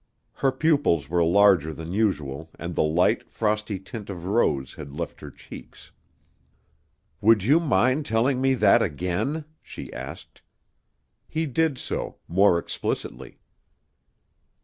Her pupils were larger than usual and the light, frosty tint of rose had left her cheeks. "Would you mind telling me that again?" she asked. He did so, more explicitly.